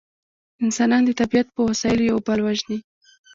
انسانان د طبیعت په وسایلو یو بل وژني